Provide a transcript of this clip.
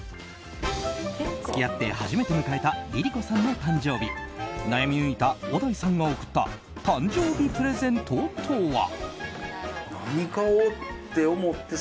付き合って初めて迎えたＬｉＬｉＣｏさんの誕生日悩み抜いた小田井さんが贈った誕生日プレゼントとは。